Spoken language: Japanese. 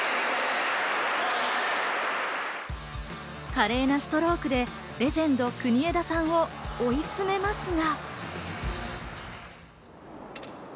華麗なストロークでレジェンド・国枝さんを追い詰めますが。